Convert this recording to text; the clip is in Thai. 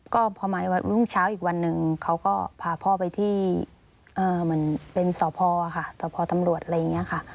ก็พอมารุ่งเช้าอีกวันหนึ่งเขาก็พาพ่อไปที่เหมือนเป็นสพค่ะสพตำรวจอะไรอย่างนี้ค่ะ